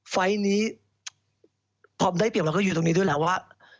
ไฟล์ทนี้พร้อมได้เปรียบเราก็อยู่ตรงนี้ด้วยแหละว่า